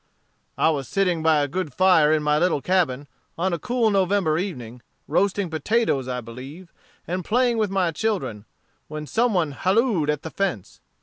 "I was sitting by a good fire in my little cabin, on a cool November evening, roasting potatoes I believe, and playing with my children, when some one halloed at the fence.